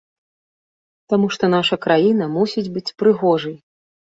Таму што наша краіна мусіць быць прыгожай.